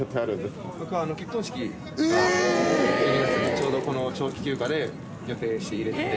ちょうどこの長期休暇で予定して入れてて。